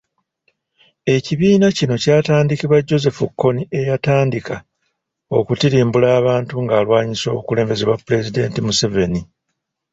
Ekibiina kino kyatandikibwa Joseph Kony eyatandika okutirimbula abantu ng'alwanyisa obukulembeze bwa Pulezidenti Museveni.